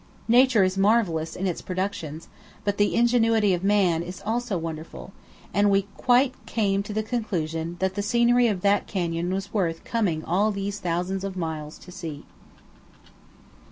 Nature is marvellous in its productions, but the ingenuity of man is also wonderful, and we quite came to the conclusion that the scenery of that canyon was worth coming all these thousands of miles to see.